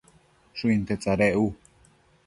Shuinte tsadec u